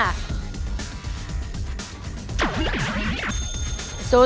คุณฟ้า